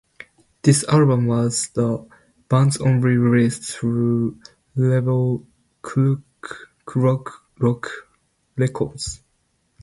This album was the band's only release through label Clock Rock Records.